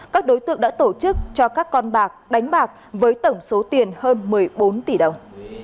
các đối tượng đã tổ chức cho các con bạc đánh bạc với tổng số tiền hơn một mươi bốn tỷ đồng